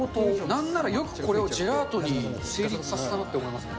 なんならよくこれをジェラートに成立させたなって思いますね。